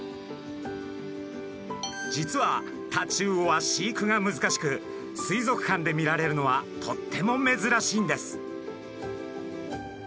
実はタチウオは飼育が難しく水族館で見られるのはとっても珍しいんです。